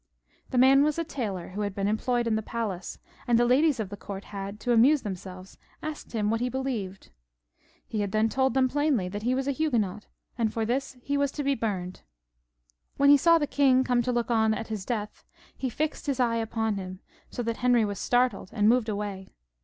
The man was a tailor who had been employed in the palace, and the ladies of the court had, to amuse themselves, asked him what he believed. He had then told them plainly that he was a Huguenot, and for this he was to be burned. When he saw the king come to look on at his death, he fixed his eyes upon him, so that Henry was startled and moved away.